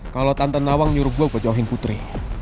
kalau tante nawang nyuruh gue gue johin putri